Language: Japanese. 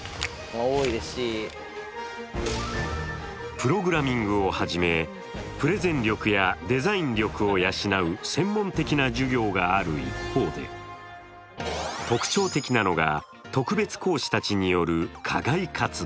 プログラミングをはじめ、プレゼン力やデザイン力を養う専門的な授業がある一方で特徴的なのが、特別講師たちによる課外活動。